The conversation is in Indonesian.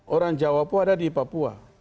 orang jawa pun ada di papua